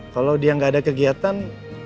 kalau dia nggak ada kegiatan